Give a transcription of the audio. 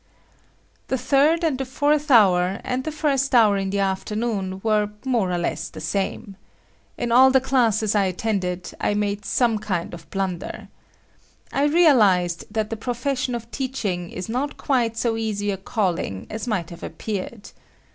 The third and the fourth hour and the first hour in the afternoon were more or less the same. In all the classes I attended, I made some kind of blunder. I realised that the profession of teaching not quite so easy a calling as might have appeared.